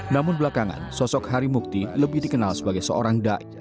namun belakangan sosok hari mukti lebih dikenal sebagai seorang daja